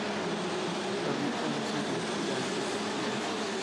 Habita en Siria, Irán y Turquía.